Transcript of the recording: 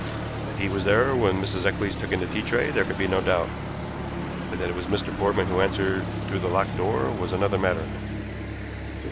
That he was there when Mrs. Eccles took in the tea tray there could be no doubt; but that it was Mr. Portman who answered through the locked door was another matter.